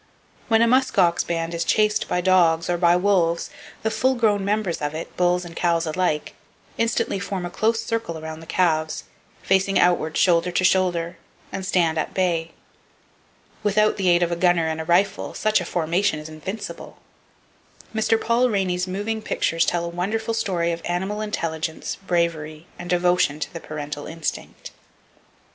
When a musk ox band is chased by dogs, or by wolves, the full grown members of it, bulls and cows alike, instantly form a close circle around the calves, facing outward shoulder to shoulder, and stand at bay. Without the aid of a gunner and a rifle, such a formation is invincible! Mr. Paul Rainey's moving pictures tell a wonderful story of animal intelligence, bravery and devotion to the parental instinct.